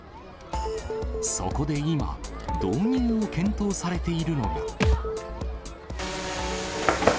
そこで今、導入を検討されているのが。